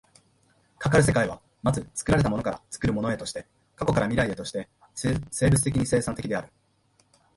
かかる世界は、まず作られたものから作るものへとして、過去から未来へとして生物的に生産的である。